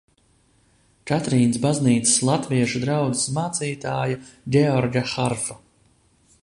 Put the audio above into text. Katrīnas baznīcas latviešu draudzes mācītāja Georga Harfa.